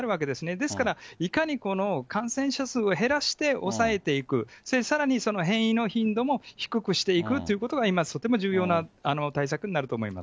ですから、いかにこの感染者数を減らして抑えていく、それでさらに、その変異の頻度も低くしていくということが、今、とっても重要な対策になると思います。